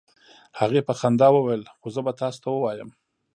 هغې په خندا وویل: "خو زه به تاسو ته ووایم،